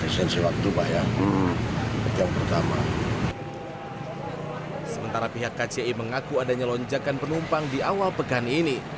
sementara pihak kci mengaku adanya lonjakan penumpang di awal pekan ini